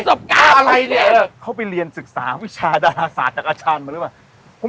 ประสบการณ์อะไรเนี่ยเค้าไปเรียนศึกษาวิชาดาราศาจากอาจารย์มาหรือเปล่า